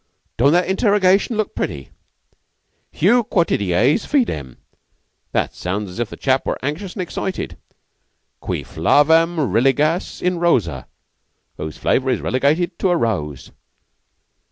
"Don't that interrogation look pretty? Heu quoties fidem! That sounds as if the chap were anxious an' excited. Cui flavam religas in rosa Whose flavor is relegated to a rose.